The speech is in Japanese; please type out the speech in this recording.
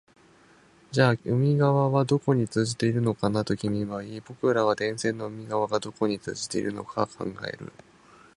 じゃあ海側はどこに通じているのかな、と君は言い、僕らは電線の海側がどこに通じているのか考える